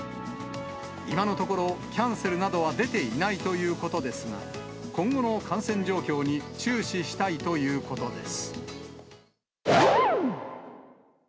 今のところ、キャンセルなどは出ていないということですが、今後の感染状況に注視したいということです。